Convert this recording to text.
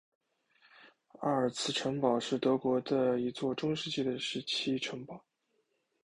埃尔茨城堡是德国的一座中世纪时期城堡。